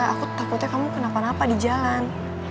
aku takutnya kamu kenapa napa di jalan